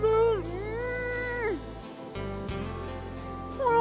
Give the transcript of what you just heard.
うん！